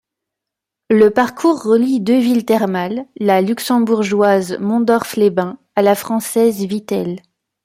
Le parcours relie deux villes thermales, la luxembourgeoise Mondorf-les-Bains à la française Vittel.